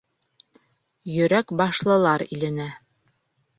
— Йөрәк башлылар иленә.